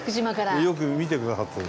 よく見てくださってる。